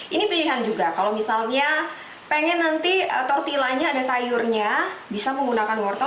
ini pilihan juga kalau misalnya pengen nanti tortillanya ada sayurnya bisa menggunakan wortel